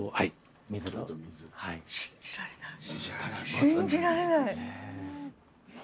信じられない。